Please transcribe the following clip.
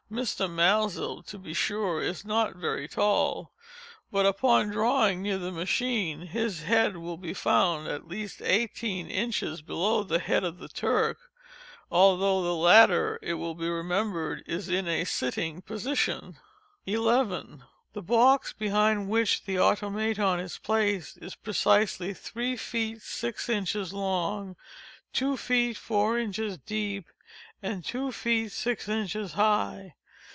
Mr. Maelzel, to be sure, is not very tall, but upon drawing near the machine, his head will be found at least eighteen inches below the head of the Turk, although the latter, it will be remembered, is in a sitting position. 11. The box behind which the Automaton is placed, is precisely three feet six inches long, two feet four inches deep, and two feet six inches high.